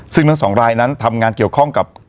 ซึ่งทั้งสองรายนั้นทำงานเกี่ยวข้องกับ